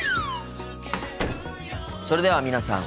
それでは皆さん